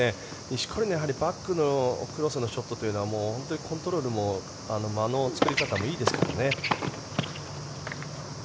錦織のバックのクロスのショットというのはもう本当にコントロールも間の作り方もいいですからね。